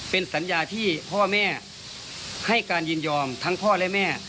เป็นสัญญาที่พ่อแม่ให้การยินยอมทั้งพ่อและแม่